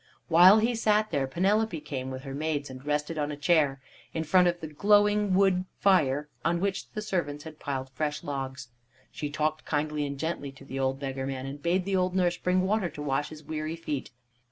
While he sat there, Penelope came with her maids and rested on a chair In front of the glowing wood fire on which the servants had piled fresh logs. She talked kindly and gently to the old beggar man, and bade the old nurse bring water to wash his weary feet.